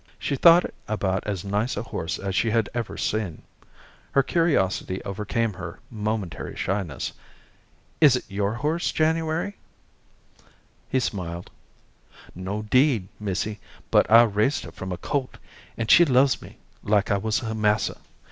She thought it about as nice a horse as she had ever seen. Her curiosity overcame her momentary shyness. "Is it your horse, January?" He smiled. "No, 'deed, missy, but I raised her from a colt, and she loves me like I wuz her massa.